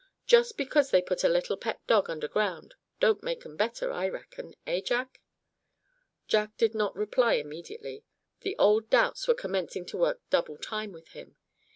Just because they put a little pet dog underground don't make 'em better, I reckon, eh, Jack?" Jack did not reply immediately. The old doubts were commencing to work double time with him.